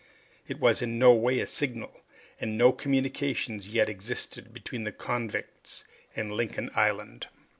It was in no way a signal, and no communication yet existed between the convicts and Lincoln Island.